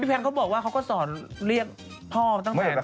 พี่แพนเขาบอกว่าเขาก็ให้เรียกพ่อตั้งแต่โปรด